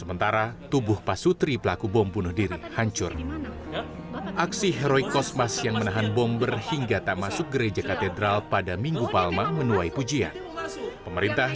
tentu saja kalau tanpa terutama yang jaga gerbang ini